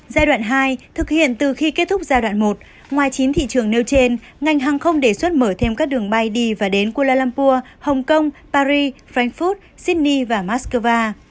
giai đoạn hai thực hiện từ khi kết thúc giai đoạn một ngoài chín thị trường nêu trên ngành hàng không đề xuất mở thêm các đường bay đi và đến kuala lumpur hồng kông paris frankfurt sydney và moscow